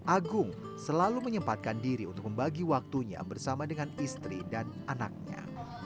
agung selalu menyempatkan diri untuk membagi waktunya bersama dengan istri dan anaknya